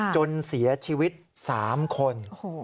จนเสียชีวิต๓คน